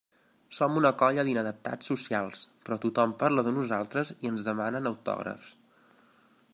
Som una colla d'inadaptats socials, però tothom parla de nosaltres i ens demanen autògrafs.